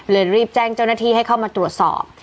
รีบแจ้งเจ้าหน้าที่ให้เข้ามาตรวจสอบ